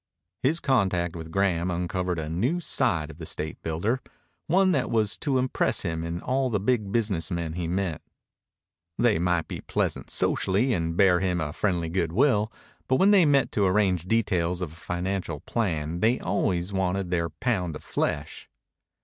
His contact with Graham uncovered a new side of the state builder, one that was to impress him in all the big business men he met. They might be pleasant socially and bear him a friendly good will, but when they met to arrange details of a financial plan they always wanted their pound of flesh.